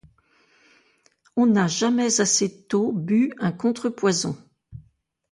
On n’a jamais assez tôt bu un contre-poison.